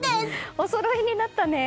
おそろいになったね。